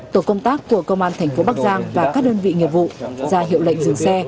tổ công tác của công an tp bắc giang và các đơn vị nghiệp vụ ra hiệu lệnh